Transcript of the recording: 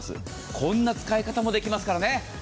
こんな使い方もできますからね。